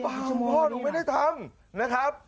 พ่อหนูไม่ได้ทำนะครับ